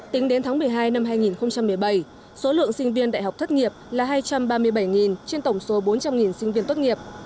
tính đến tháng một mươi hai năm hai nghìn một mươi bảy số lượng sinh viên đại học thất nghiệp là hai trăm ba mươi bảy trên tổng số bốn trăm linh sinh viên tốt nghiệp